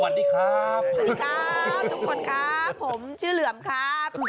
สวัสดีครับทุกคนครับผมชื่อเหลือมครับ